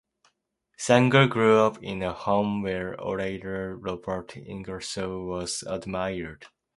Sanger grew up in a home where orator Robert Ingersoll was admired.